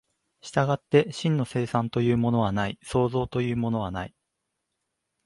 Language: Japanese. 従って真の生産というものはない、創造というものはない。